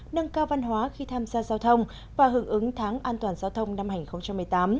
nâng cao văn hóa khi tham gia giao thông và hưởng ứng tháng an toàn giao thông năm hai nghìn một mươi tám